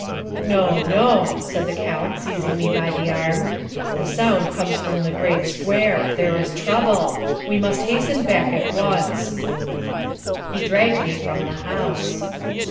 "No, no," said the count, seizing me by the arm. "The sound comes from the Great Square. There is trouble. We must hasten back at once." He dragged me from the house.